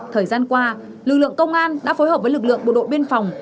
thời gian qua lực lượng công an đã phối hợp với lực lượng bộ đội biên phòng